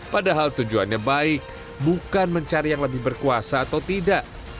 padahal tujuannya baik bukan mencari yang lebih berkuasa atau tidak